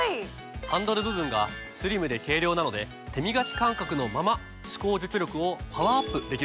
ハンドル部分がスリムで軽量なので手みがき感覚のまま歯垢除去力をパワーアップできるんです。